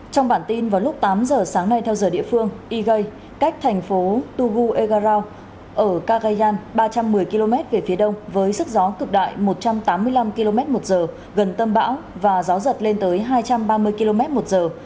trong bản tin vào lúc tám giờ sáng nay theo giờ địa phương igei cách thành phố tugu egarau ở kagayan ba trăm một mươi km về phía đông với sức gió cực đại một trăm tám mươi năm km một giờ gần tâm bão và gió giật lên tới hai trăm ba mươi km một giờ